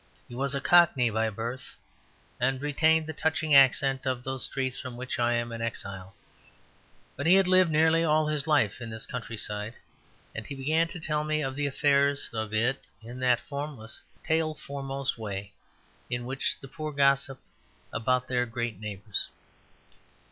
He was a Cockney by birth, and retained the touching accent of those streets from which I am an exile; but he had lived nearly all his life in this countryside; and he began to tell me the affairs of it in that formless, tail foremost way in which the poor gossip about their great neighbours.